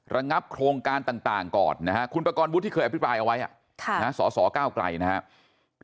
ระงับโครงการต่างก่อนนะฮะคุณประกอบวุฒิที่เคยอภิปรายเอาไว้สสก้าวไกลนะครับ